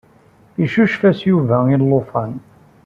Icucef-as Yuba i llufan.